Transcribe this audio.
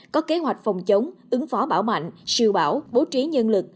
có kế hoạch phòng chống ứng phó bão mạnh siêu bão bố trí nhân lực